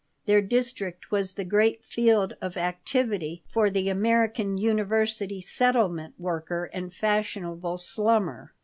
Their district was the great field of activity for the American University Settlement worker and fashionable slummer.